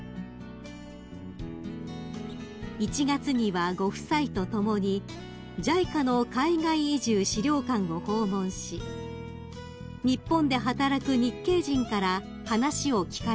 ［１月にはご夫妻と共にＪＩＣＡの海外移住資料館を訪問し日本で働く日系人から話を聞かれています］